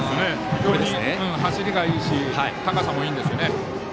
非常に走りがいいし高さもいいですね。